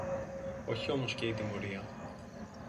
Όχι όμως και η τιμωρία